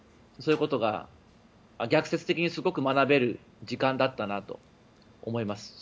そういうことが逆説的にすごく学べる時間だったなと思います。